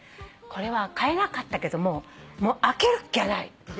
これは買えなかったけども開けるっきゃない！